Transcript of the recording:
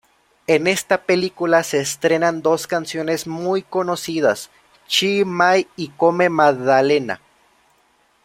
En esta película se estrenan dos canciones muy conocidas Chi Mai y Come Maddalena.